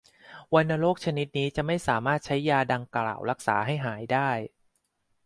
วัณโรคชนิดนี้จะไม่สามารถใช้ยาดังกล่าวรักษาให้หายได้